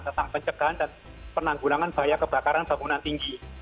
tentang pencegahan dan penanggulangan bahaya kebakaran bangunan tinggi